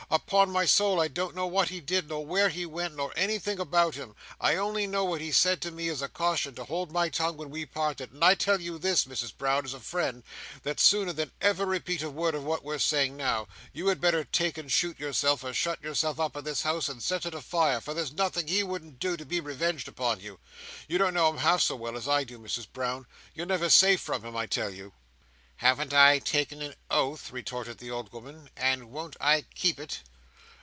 "Upon my soul I don't know what he did, nor where he went, nor anything about him I only know what he said to me as a caution to hold my tongue, when we parted; and I tell you this, Misses Brown, as a friend, that sooner than ever repeat a word of what we're saying now, you had better take and shoot yourself, or shut yourself up in this house, and set it a fire, for there's nothing he wouldn't do, to be revenged upon you. You don't know him half as well as I do, Misses Brown. You're never safe from him, I tell you." "Haven't I taken an oath," retorted the old woman, "and won't I keep it?"